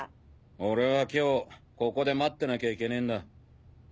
俺は今日ここで待ってなきゃいけねえんだ。